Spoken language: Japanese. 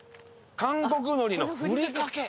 韓国海苔のふりかけ。